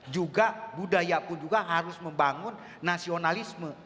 juga budaya pun juga harus membangun nasionalisme